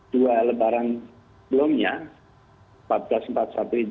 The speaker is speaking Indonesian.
tiap lebaran jakarta lenang